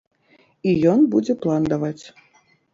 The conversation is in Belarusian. І ён будзе план даваць.